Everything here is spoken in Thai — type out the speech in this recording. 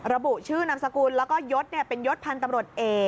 ระบุชื่อนามสกุลแล้วก็ยศเป็นยศพันธ์ตำรวจเอก